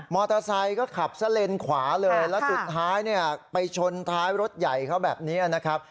อเตอร์ไซค์ก็ขับซะเลนขวาเลยแล้วสุดท้ายเนี่ยไปชนท้ายรถใหญ่เขาแบบนี้นะครับ